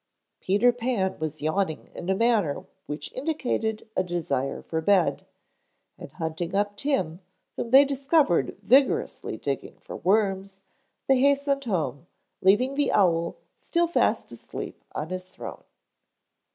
Peter Pan was yawning in a manner which indicated a desire for bed, and hunting up Tim, whom they discovered vigorously digging for worms, they hastened home, leaving the owl still fast asleep on his throne.